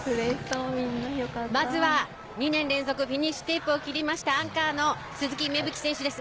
まずは２年連続フィニッシュテープを切りました鈴木芽吹選手です。